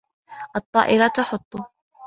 الطائرة تحط